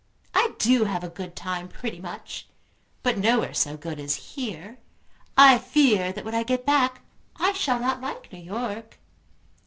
"I do have a good time pretty much; but nowhere so good as here. I fear that when I get back I shall not like New York."